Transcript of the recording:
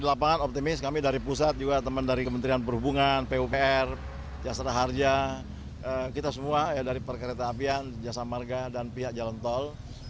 di lapangan optimis kami dari pusat juga teman dari kementerian perhubungan pupr jasara harja kita semua dari perkereta apian jasa marga dan pihak jalan tol